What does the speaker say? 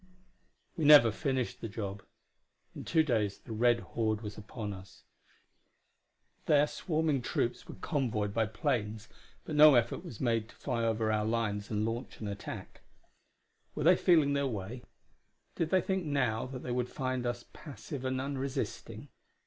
We never finished the job; in two days the red horde was upon us. Their swarming troops were convoyed by planes, but no effort was made to fly over our lines and launch an attack. Were they feeling their way? Did they think now that they would find us passive and unresisting?